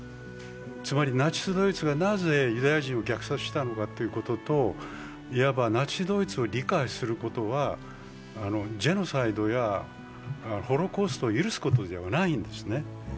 つまりナチスドイツがなぜユダヤ人を虐殺したのかということといわばナチスドイツを理解することはジェノサイドやホロコーストを許すことではないんですね。